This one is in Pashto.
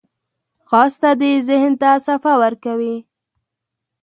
ځغاسته د ذهن ته صفا ورکوي